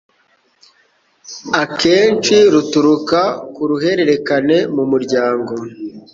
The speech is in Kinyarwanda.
akenshi ruturuka ku ruhererekane mu muryango